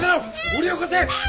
掘り起こせ！